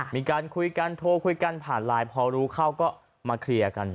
มีการคุยกันโทรคุยกันผ่านไลน์พอรู้เข้าก็มาเคลียร์กัน